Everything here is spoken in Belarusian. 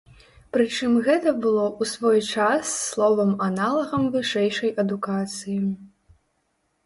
Прычым гэта было ў свой час словам-аналагам вышэйшай адукацыі.